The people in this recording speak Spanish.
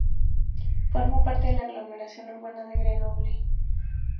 Forma parte de la aglomeración urbana de Grenoble.